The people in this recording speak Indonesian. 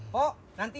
pok nanti ya